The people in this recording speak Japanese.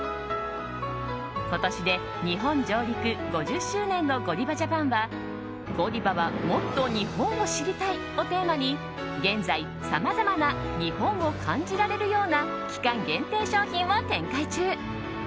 今年で日本上陸５０周年のゴディバジャパンはゴディバはもっと日本を知りたいをテーマに現在、さまざまな日本を感じられるような期間限定商品を展開中。